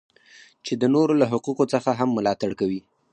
چې د نورو له حقوقو څخه هم ملاتړ کوي.